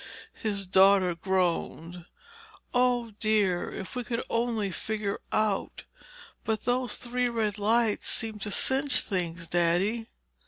His daughter groaned. "Oh dear—if we could only figure out—but those three red lights seem to cinch things, Daddy."